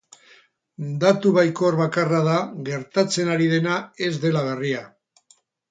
Datu baikor bakarra da gertatzen ari dena ez dela berria.